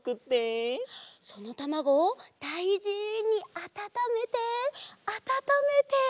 そのたまごをだいじにあたためてあたためて。